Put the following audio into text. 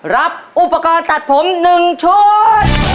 รับอุปกรณ์ตัดผม๑ชุด